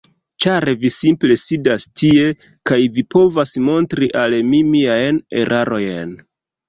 Ĉar vi simple sidas tie, kaj vi povas montri al mi miajn erarojn.